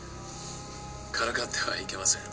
からかってはいけません。